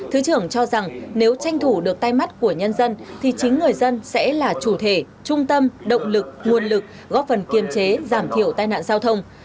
thứ trưởng cho rằng nếu tranh thủ được tay mắt của nhân dân thì chính người dân sẽ là chủ thể trung tâm động lực nguồn lực góp phần kiềm chế giảm thiểu tai nạn giao thông